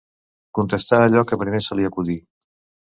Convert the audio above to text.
Contestà allò que primer se li acudí.